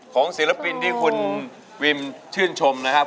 ศิลปินที่คุณวิมชื่นชมนะครับ